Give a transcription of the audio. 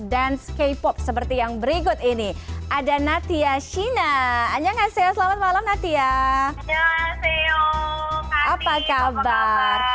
dance k pop seperti yang berikut ini ada natia shina anyong asia selamat malam natia apa kabar